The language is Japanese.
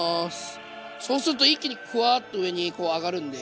そうすると一気にフワーッと上に上がるんで。